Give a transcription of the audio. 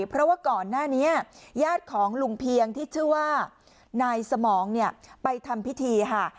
เพราะว่าก่อนหน้านี้ญาติของลุงเพียงที่ชื่อว่านายสมองเนี่ยไปทำพิธีค่ะ